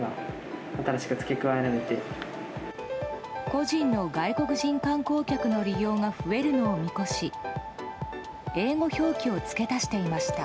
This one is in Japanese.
個人の外国人観光客の利用が増えるのを見越し英語表記を付け足していました。